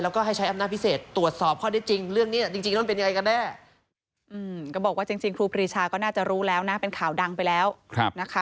แล้วก็ใช้อำนาจพิเศษตรวจสอบข้อ